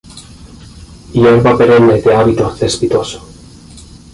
Hierba perenne de hábito cespitoso.